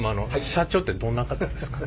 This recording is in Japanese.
社長ってどんな方ですか？